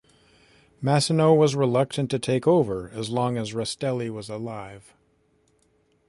Massino was reluctant to take over as long as Rastelli was alive.